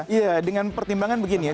iya dengan pertimbangan begini ya